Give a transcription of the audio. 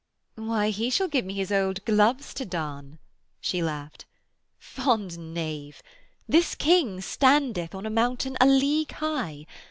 'Why, he shall give me his old gloves to darn,' she laughed. 'Fond knave, this King standeth on a mountain a league high.